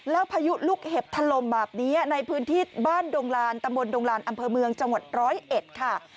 แล้วพายุลูกเห็บทะลมแบบนี้ในพื้นที่บ้านดงรานตะบนดงรานอำเภอเมืองจังหวัด๑๐๑ค่ะ